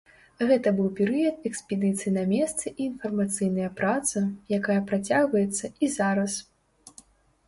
Гэта быў перыяд экспедыцый на месцы і інфармацыйная праца, якая працягваецца і зараз.